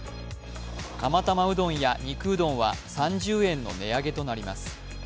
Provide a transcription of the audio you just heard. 釜玉うどんや肉うどんは３０円の値上げとなります。